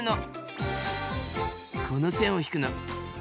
この線を引くの。